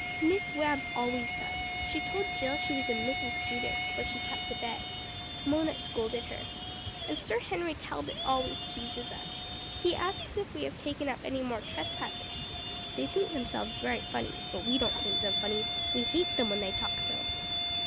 Miss Webb always does. She told Jill she was a Mrs. Judas, for she kept the bag. Mona scolded her. And Sir Henry Talbot always teases us. He asks if we have taken up any more trespassers. They think themselves very funny, but we don't think them funny, we hate them when they talk so."